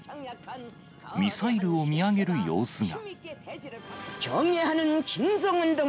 ミサイルを見上げる様子が。